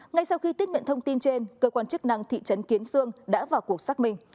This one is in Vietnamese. ngay sau khi tiết miệng thông tin trên cơ quan chức năng thị trấn kiến sương đã vào cuộc xác minh